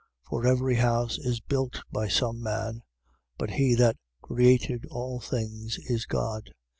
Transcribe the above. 3:4. For every house is built by some man: but he that created all things is God.